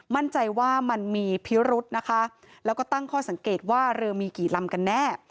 มั่นใจว่ามันมีพิรุษนะคะแล้วก็ตั้งข้อสังเกตว่าเรือมีกี่ลำกันแน่